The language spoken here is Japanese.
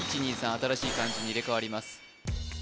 新しい漢字に入れ代わります